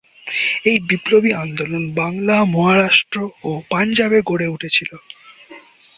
এই বিপ্লবী আন্দোলন বাংলা, মহারাষ্ট্র ও পাঞ্জাবে গড়ে উঠেছিল।